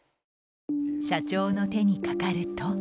社長の手にかかると。